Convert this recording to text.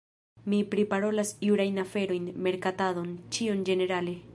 Mi priparolas jurajn aferojn, merkatadon, ĉion ĝenerale